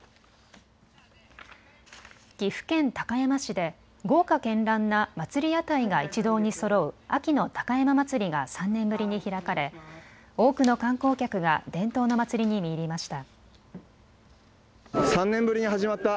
岐阜県高山市で豪華けんらんな祭屋台が一堂にそろう秋の高山祭が３年ぶりに開かれ多くの観光客が伝統の祭りに見入りました。